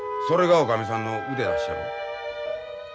それが女将さんの腕だっしゃろ。